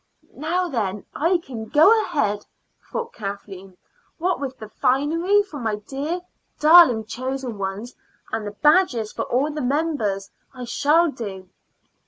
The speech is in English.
"Now then, I can go ahead," thought Kathleen. "What with the finery for my dear, darling chosen ones, and the badges for all the members, I shall do."